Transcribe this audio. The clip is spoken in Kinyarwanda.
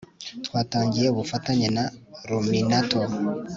twatangiye ubufatanye na Luminato